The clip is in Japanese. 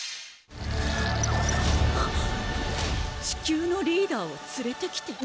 地球のリーダーを連れてきて。